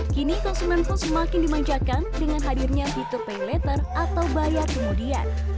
kini konsumen pun semakin dimanjakan dengan hadirnya fitur pay letter atau bayar kemudian